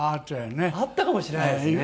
あったかもしれないですね。